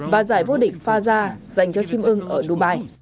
và giải vô địch faja dành cho chim ưng ở dubai